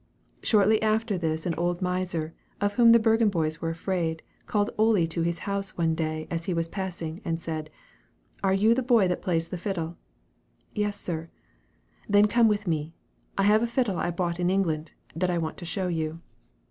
Shortly after this an old miser, of whom the Bergen boys were afraid, called Ole into his house one day as he was passing, and said, "Are you the boy that plays the fiddle?" "Yes, sir." "Then come with me. I have a fiddle I bought in England, that I want to show you."